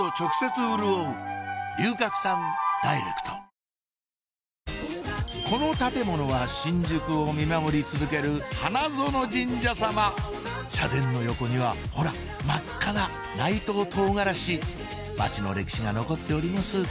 あの白壁に朱色の建物この建物は新宿を見守り続ける花園神社様社殿の横にはほら真っ赤な内藤トウガラシ街の歴史が残っております